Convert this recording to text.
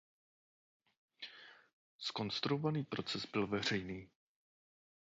Zkonstruovaný proces byl veřejný.